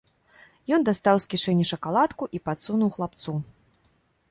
Ён дастаў з кішэні шакаладку і падсунуў хлапцу.